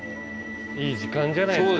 いい時間じゃないですか。